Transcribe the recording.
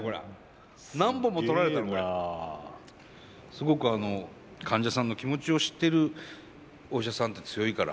すごくあの患者さんの気持ちを知ってるお医者さんって強いから。